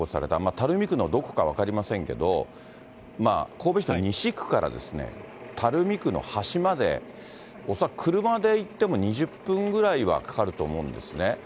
垂水区のどこか分かりませんけど、神戸市の西区から垂水区の端まで、恐らく車で行っても２０分ぐらいはかかると思うんですね。